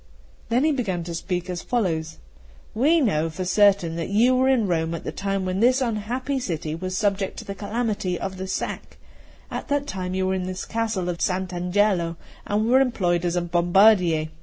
Then he began to speak as follows: "We know for certain that you were in Rome at the time when this unhappy city was subject to the calamity of the sack; at that time you were in this Castle of Sant' Angelo, and were employed as bombardier.